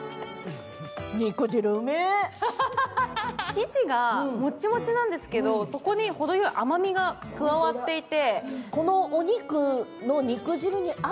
生地がもっちもちなんですけど、そこにほどよい甘みが加わっていて。